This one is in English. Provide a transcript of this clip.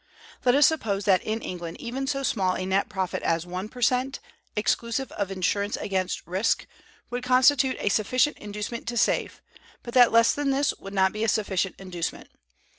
Let us suppose that in England even so small a net profit as one per cent, exclusive of insurance against risk, would constitute a sufficient inducement to save, but that less than this would not be a sufficient inducement.